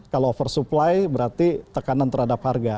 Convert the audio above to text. kalau oversupply berarti tekanan terhadap harga